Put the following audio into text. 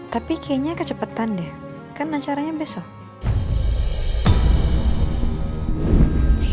tapi kayaknya kecepatan deh kan acaranya besok